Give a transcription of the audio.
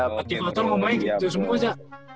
motivator ngomongnya gitu semua aja